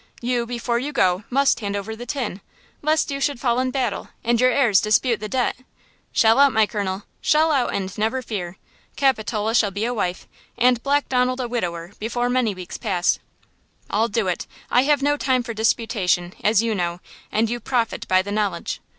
You, before you go, must hand over the tin, lest you should fall in battle and your heirs dispute the debt! Shell out, my colonel! Shell out and never fear! Capitola shall be a wife and Black Donald a widower before many weeks shall pass." "I'll do it! I have no time for disputation, as you know, and you profit by the knowledge.